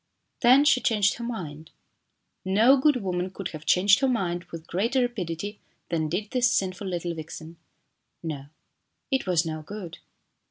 Then she changed her mind. No good woman could have changed her mind with greater rapidity THE GOOD NAME 293 than did this sinful little vixen. No, it was no good.